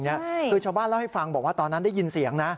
คือชาวบ้านเล่าให้ฟังบอกว่าตอนนั้นได้ยินเสียงนะ